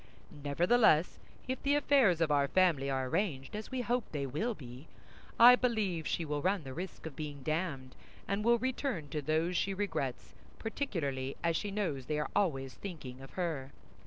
Nevertheless, if the affairs of our family are arranged, as we hope they will be, I believe she will run the risk of being damned, and will return to those she regrets, particularly as she knows they are always thinking of her.